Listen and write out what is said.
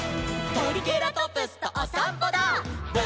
「トリケラトプスとおさんぽダー！！」